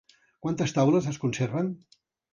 Quantes taules es conserven?